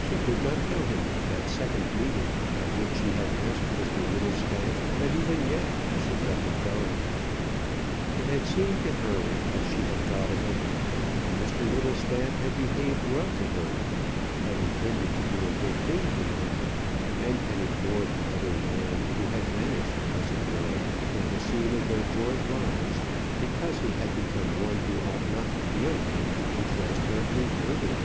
She could not tell him of that second meeting, at which she had asked Mr Whittlestaff that even yet he should let her go. It had seemed to her, as she had thought of it, that Mr Whittlestaff had behaved well to her, had intended to do a good thing to her, and had ignored the other man, who had vanished, as it were, from the scene of their joint lives, because he had become one who ought not to be allowed to interest her any further.